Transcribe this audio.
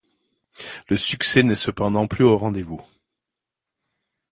Le succès n'est cependant plus au rendez-vous.